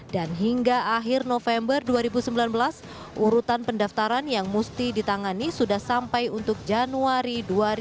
dan hingga akhir november dua ribu sembilan belas urutan pendaftaran yang musti ditangani sudah sampai untuk januari dua ribu dua puluh satu